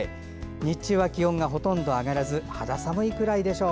日中は気温がほとんど上がらず肌寒いぐらいでしょう。